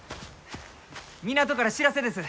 港から知らせです！